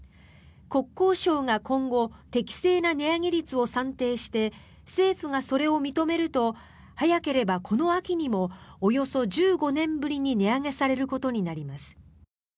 国交省が今後適正な値上げ率を算定して政府がそれを認めると早ければこの秋にもおよそ１５年ぶりに値上げされることになります。